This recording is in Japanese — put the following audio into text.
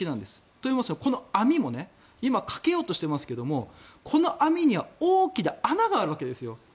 というのはこの網も今かけようとしてますがこの網には大きな穴があるわけですよ。